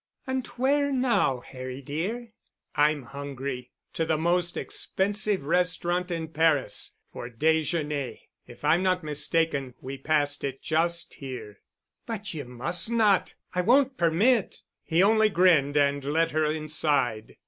"And where now, Harry dear?" "I'm hungry. To the most expensive restaurant in Paris for déjeuner. If I'm not mistaken we passed it just here." "But you must not—I won't permit——" He only grinned and led her inside.